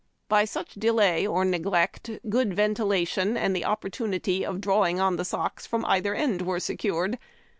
l>y such delay or neglect good ventilation and the o})[)ortunity of drawing on the socks from either end were secured.